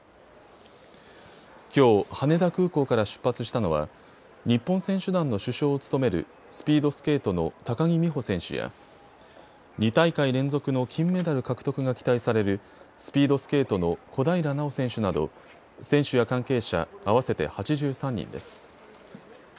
きょう羽田空港から出発したのは日本選手団の主将を務めるスピードスケートの高木美帆選手や２大会連続の金メダル獲得が期待されるスピードスケートの小平奈緒選手など選手や関係者合わせて８３人です。